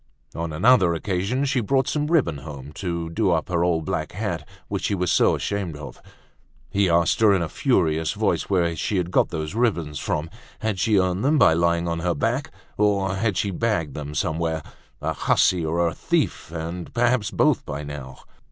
On another occasion she brought some ribbon home, to do up her old black hat which she was so ashamed of. He asked her in a furious voice where she had got those ribbons from. Had she earned them by lying on her back or had she bagged them somewhere? A hussy or a thief, and perhaps both by now?